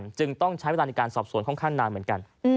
จึงต้องใช้เวลาในการสอบสวนค่อนข้างนานเหมือนกัน